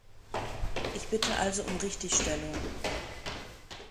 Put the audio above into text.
Ich bitte also um Richtigstellung.